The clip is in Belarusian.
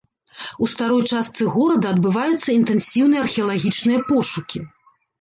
У старой частцы горада адбываюцца інтэнсіўныя археалагічныя пошукі.